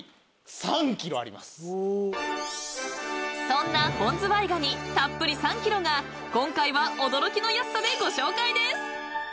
［そんな本ズワイガニたっぷり３ｋｇが今回は驚きの安さでご紹介です］